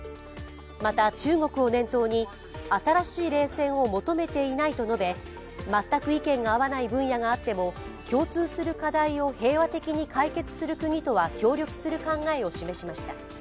また、中国を念頭に新しい冷戦を求めていないと述べ全く意見が合わない分野があっても共通する課題を平和的に解決する国とは協力する考えを示しました。